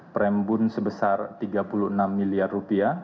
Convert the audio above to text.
perembun sebesar rp tiga puluh enam miliar